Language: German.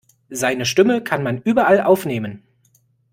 Seine Stimme kann man überall aufnehmen.